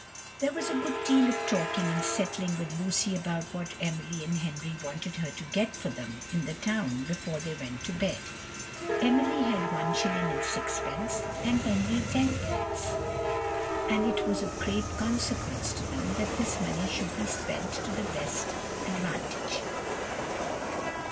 There was a good deal of talking and settling with Lucy about what Emily and Henry wanted her to get for them in the town, before they went to bed. Emily had one shilling and sixpence, and Henry tenpence, and it was of great consequence to them that this money should be spent to the best advantage.